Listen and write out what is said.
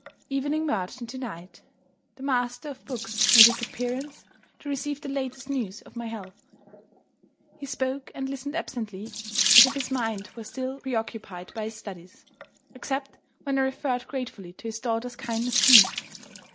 Evening merged into night. The Master of Books made his appearance, to receive the latest news of my health. He spoke and listened absently as if his mind were still pre occupied by his studies except when I referred gratefully to his daughter's kindness to me.